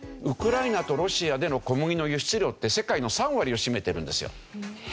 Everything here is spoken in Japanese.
ウクライナとロシアでの小麦の輸出量って世界の３割を占めてるんですよ。